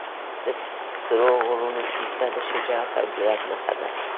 د سرو غرونو کیسه د شجاعت او جرئت نښه ده.